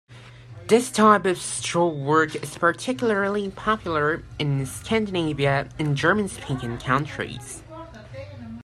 This type of straw work is particularly popular in Scandinavia and German-speaking countries.